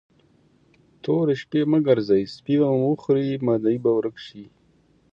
تورې شپې مه ګرځئ؛ سپي به وخوري، مدعي به ورک شي.